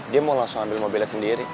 dia mau langsung ambil mobilnya sendiri